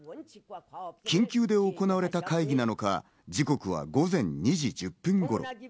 緊急で行われた会議なのか、時刻は午前２時１０分頃。